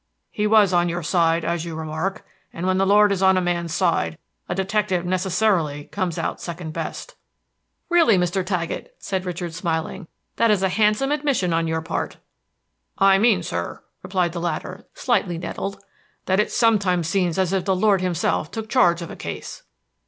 "He was on your side, as you remark; and when the Lord is on a man's side a detective necessarily comes out second best." "Really, Mr. Taggett," said Richard, smiling, "that is a handsome admission on your part." "I mean, sir," replied the latter, slightly nettled, "that it sometimes seems as if the Lord himself took charge of a case."